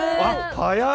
早い！